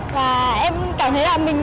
và em cảm thấy là mình